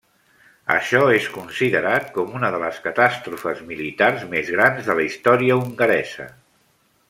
Això és considerat com una de les catàstrofes militars més grans de la història hongaresa.